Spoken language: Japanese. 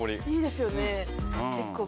いいですよね。